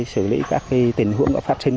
xử lý các tình huống phát sinh